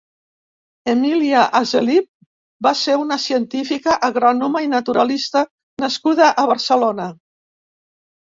Emilia Hazelip va ser una científica, agrònoma i naturalista nascuda a Barcelona.